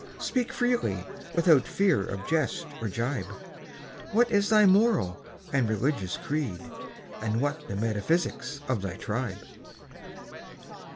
Speak freely, without fear of jest or gibe— What is thy moral and religious creed? And what the metaphysics of thy tribe?